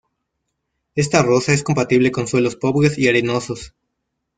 Esta rosa es compatible con suelos pobres y arenosos.